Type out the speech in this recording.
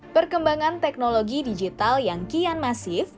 perkembangan teknologi digital yang kian masif